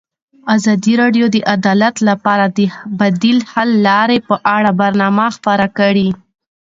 ازادي راډیو د عدالت لپاره د بدیل حل لارې په اړه برنامه خپاره کړې.